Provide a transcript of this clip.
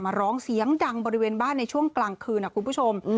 ร้องเสียงดังบริเวณบ้านในช่วงกลางคืนคุณผู้ชม